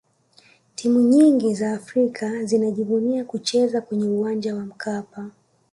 timu nyingi za afrika zinajivunia kucheza kwenye uwanja wa mkapa